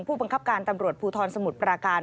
ผู้บังคับการตำรวจภูทรสมุทรปราการ